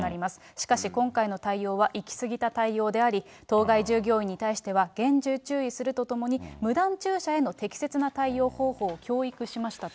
しかし、今回の対応は行き過ぎた対応であり、当該従業員に対しては厳重注意するとともに、無断駐車への適切な対応方法を教育しましたと。